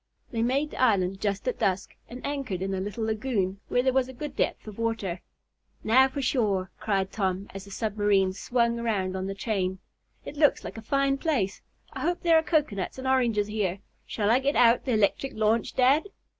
They made the island just at dusk, and anchored in a little lagoon, where there was a good depth of water. "Now for shore!" cried Tom, as the submarine swung around on the chain. "It looks like a fine place. I hope there are cocoanuts and oranges here. Shall I get out the electric launch, dad?"